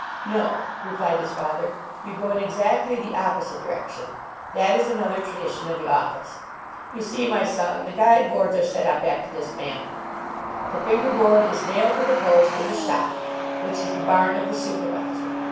"No," replied his father, " you go in ex actly the opposite direction. That is another tradition of the office. You see, my son, the guide boards are set up after this manner. The finger board is nailed to the post in the shop, which is the barn of the supervisor.